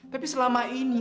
tapi selama ini